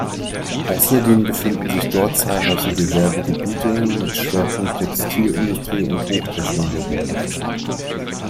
Außerdem befinden sich dort zahlreiche Gewerbegebiete mit Schwerpunkt Textilindustrie und Hochtechnologie.